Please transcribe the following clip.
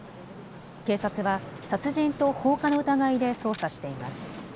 警察は殺人と放火の疑いで捜査しています。